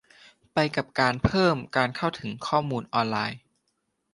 ไปกับการเพิ่มการเข้าถึงข้อมูลออนไลน์ ?